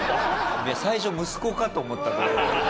最初息子かと思ったと。